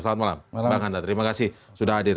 selamat malam bang hanta terima kasih sudah hadir